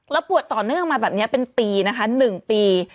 แล้วปวดต่อเนื่องมาแบบนี้เป็นปีนะคะ๑ปี